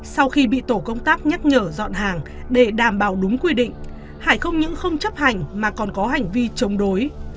sau khi bị tổ công tác nhắc nhở dọn hàng để đảm bảo đúng quy định hải không những không chấp hành mà còn có hành vi chống đối